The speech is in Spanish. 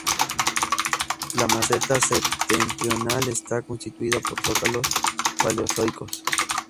La Meseta septentrional está constituida por zócalos paleozoicos.